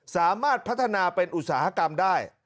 สามารถพัฒนาเป็นอุตสาหกรรมได้